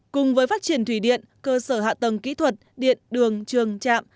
cùng với phát triển thủy điện cơ sở hạ tầng kỹ thuật điện đường trường trạm